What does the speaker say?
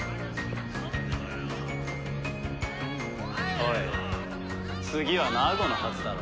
おい次はナーゴのはずだろ？